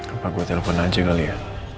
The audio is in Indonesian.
apa gue telepon aja kali ya